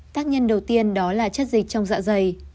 tác nhân đầu tiên đó là chất dịch trong dạ dày